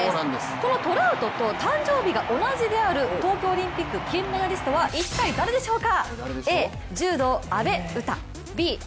このトラウト選手と誕生日が同じ東京オリンピック金メダリストは一体誰でしょうか？